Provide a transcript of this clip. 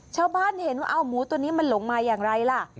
ชาวบ้านเห็นว่าเอาหมูตัวนี้มันหลงมาอย่างไรล่ะ